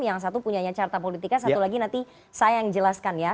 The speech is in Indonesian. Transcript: yang satu punyanya carta politika satu lagi nanti saya yang jelaskan ya